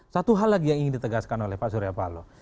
satu hal lagi yang ingin ditegaskan oleh pak surya paloh